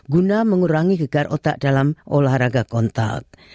guna mengurangi gegar otak dalam olahraga kontak